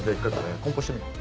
梱包してみよう。